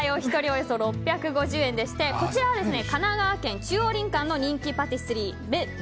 およそ６５０円でしてこちら、神奈川県中央林間の人気パティスリー